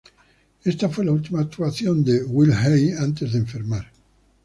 Ésta fue la última actuación de Will Hay antes de enfermar.